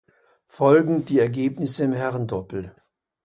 Folgend die Ergebnisse im Herrendoppel.